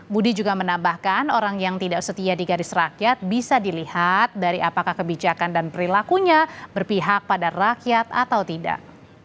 budi juga menambahkan orang yang tidak setia di garis rakyat bisa dilihat dari apakah kebijakan dan perilakunya berpihak pada rakyat atau tidak